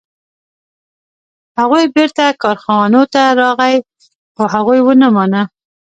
هغه بیرته کارغانو ته راغی خو هغوی هم ونه مانه.